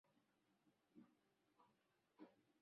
kimeniuma moyo wangu sana na kilicho niuma zaidi hasa